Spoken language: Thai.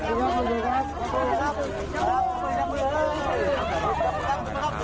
หาวิทยาลังก์กรืนฟึ่งใดกับสัญลักษณะกัน